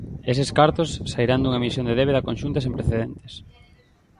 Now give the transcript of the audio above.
Eses cartos sairán dunha emisión de débeda conxunta sen precedentes.